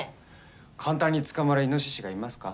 簡単に捕まるいのししがいますか？